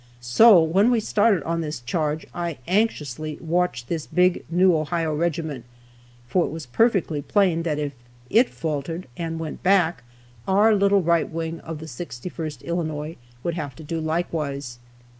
So, when we started on this charge, I anxiously watched this big, new Ohio regiment, for it was perfectly plain that if it faltered and went back, our little right wing of the 61st Illinois would have to do likewise.